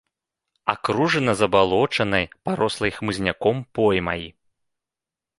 Акружана забалочанай, парослай хмызняком поймай.